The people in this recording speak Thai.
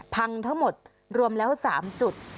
พังทั้งหมดรวมแล้ว๓จุด